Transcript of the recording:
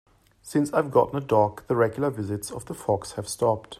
Since I've gotten a dog, the regular visits of the fox have stopped.